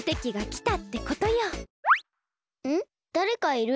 だれかいる？